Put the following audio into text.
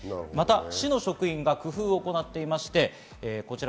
市の職員が工夫を行っています。